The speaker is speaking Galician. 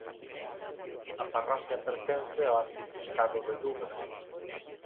A parroquia pertence ao arciprestado de Dubra.